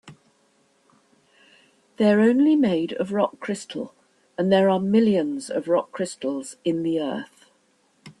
They're only made of rock crystal, and there are millions of rock crystals in the earth.